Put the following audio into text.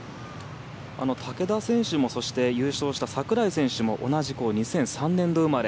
竹田選手もそして優勝した櫻井選手も同じ２００３年度生まれ。